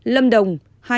lâm đồng hai mươi